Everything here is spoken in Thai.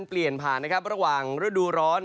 เปลี่ยนผ่านนะครับระหว่างฤดูร้อน